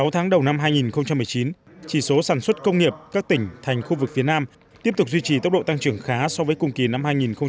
sáu tháng đầu năm hai nghìn một mươi chín chỉ số sản xuất công nghiệp các tỉnh thành khu vực phía nam tiếp tục duy trì tốc độ tăng trưởng khá so với cùng kỳ năm hai nghìn một mươi tám